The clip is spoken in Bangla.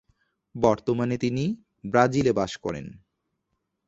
বর্তমানে তিনি ব্রাজিল এ বাস করেন।